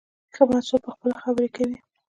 ښه محصول پخپله خبرې کوي.